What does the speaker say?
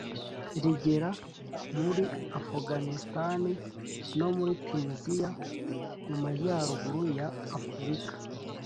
rigera muri afuganisitani no muri tuniziya mu majyaruguru ya afurika